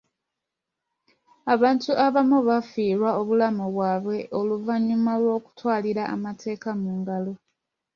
Abantu abamu bafiirwa obulamu bwabwe oluvannyuma lw'okutwalira amateeka mu ngalo.